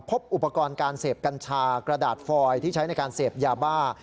พบอุปกรณ์การเสพกัญชากระดาษฟอยที่ใช้ในการเสพยาบ้า